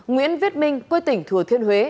nguyễn việt minh quê tỉnh thừa thiên huế